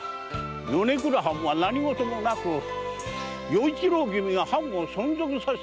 米倉藩は何ごともなく与一郎君が藩を存続させてます。